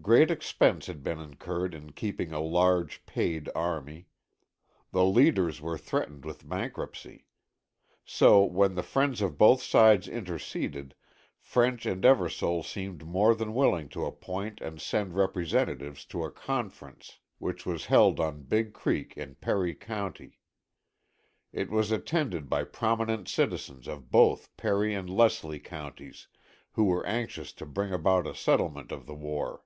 Great expense had been incurred in keeping a large, paid army. The leaders were threatened with bankruptcy. So when the friends of both sides interceded, French and Eversole seemed more than willing to appoint and send representatives to a conference, which was held on Big Creek in Perry County. It was attended by prominent citizens of both Perry and Leslie counties, who were anxious to bring about a settlement of the war.